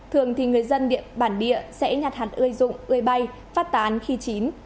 thường thì người dân bản địa sẽ nhặt hạt ươi dụng ươi bay phát tán khi chín